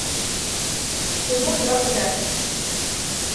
То бок два падаткі.